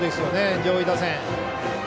上位打線。